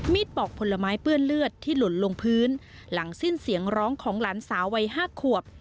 ปอกผลไม้เปื้อนเลือดที่หล่นลงพื้นหลังสิ้นเสียงร้องของหลานสาววัย๕ขวบ